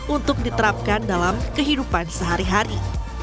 untuk diterapkan dalam kehidupan sehari hari